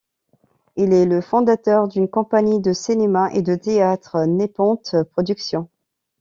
Il est le fondateur d'une compagnie de cinéma et de théâtre, Nepenthe Productions.